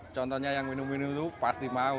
contohnya yang minum minum itu pasti mau